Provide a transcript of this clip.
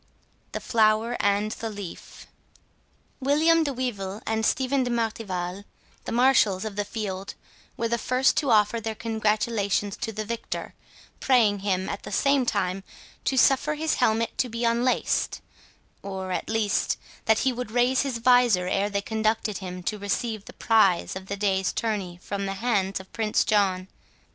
THE FLOWER AND THE LEAF William de Wyvil and Stephen de Martival, the marshals of the field, were the first to offer their congratulations to the victor, praying him, at the same time, to suffer his helmet to be unlaced, or, at least, that he would raise his visor ere they conducted him to receive the prize of the day's tourney from the hands of Prince John.